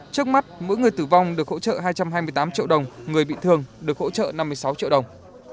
trước mắt mỗi người tử vong được hỗ trợ hai trăm hai mươi tám triệu đồng người bị thương được hỗ trợ năm mươi sáu triệu đồng